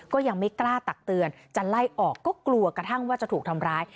ก็ยังไม่กล้าตักเตือนจะไล่ออกก็กลัวกระทั่งว่าจะถูกทำร้าย